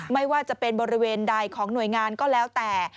ไม่ว่าจะเป็นบริเวณใดของหน่วยงานก็แล้วแต่